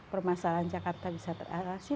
permasalahan jakarta bisa teradilasi